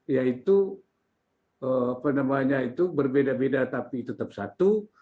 yaitu penemannya itu berbeda beda tapi tetap satu